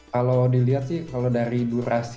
kalau dilihat sih kalau dari durasi